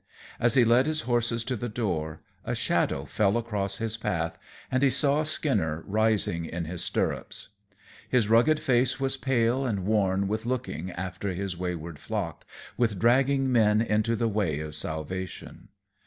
As he led his horses to the door, a shadow fell across his path, and he saw Skinner rising in his stirrups. His rugged face was pale and worn with looking after his wayward flock, with dragging men into the way of salvation.